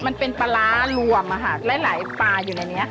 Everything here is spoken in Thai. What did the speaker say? มันเป็นปลาร้ารวมหลายปลาอยู่ในนี้